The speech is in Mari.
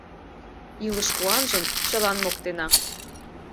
Илыш куанжым чылан моктена.